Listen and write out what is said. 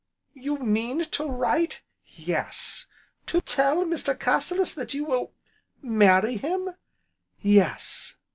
"You mean to write ?" "Yes." "To tell Mr. Cassilis that you will marry him?" "Yes."